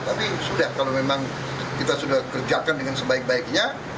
tapi sudah kalau memang kita sudah kerjakan dengan sebaik baiknya